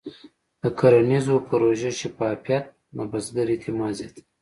د کرنیزو پروژو شفافیت د بزګر اعتماد زیاتوي.